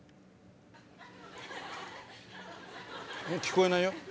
聞こえないよ？